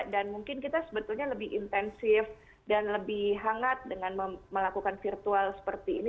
dan mungkin kita sebetulnya lebih intensif dan lebih hangat dengan melakukan virtual seperti ini